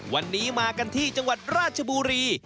วันนี้มากันที่จังหวัดราชบุรี